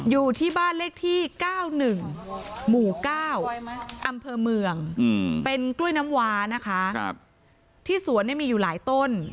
อยู่ที่บ้านเลขที่๙๑หมู่๙อำเภอเมืองเป็นกล้วยน้ำวานะคะที่สวนเนี่ยมีอยู่หลายต้น